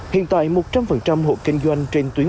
hiện tại một trăm linh hộ kinh doanh trên tuyến